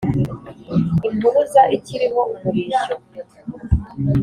Impuruza ikiriho umurishyo !»